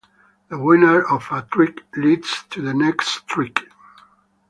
The winner of a trick leads the next trick.